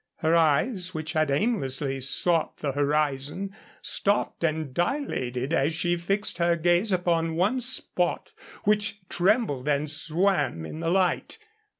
Her eyes, which had aimlessly sought the horizon, stopped and dilated as she fixed her gaze upon one spot which trembled and swam in the light.